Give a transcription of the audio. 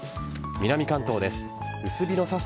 南関東です。